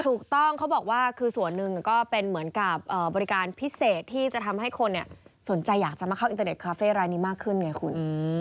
ถูกต้องเขาบอกว่าคือส่วนหนึ่งก็เป็นเหมือนกับบริการพิเศษที่จะทำให้คนสนใจอยากจะมาเข้าอินเทอร์เน็ตคาเฟ่รายนี้มากขึ้นไงคุณ